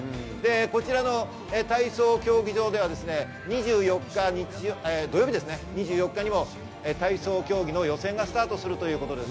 こちらの体操競技場では２４日、土曜日、体操競技の予選がスタートするということです。